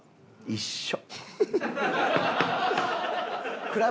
一緒